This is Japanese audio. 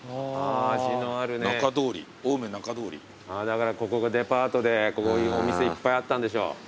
だからここがデパートでこういうお店いっぱいあったんでしょう。